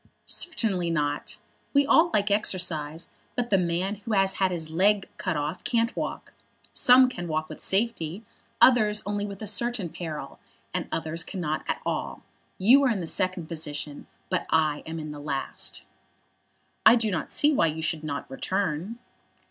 "Certainly not. We all like exercise; but the man who has had his leg cut off can't walk. Some can walk with safety; others only with a certain peril; and others cannot at all. You are in the second position, but I am in the last." "I do not see why you should not return."